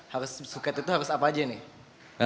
harus suket itu harus apa aja nih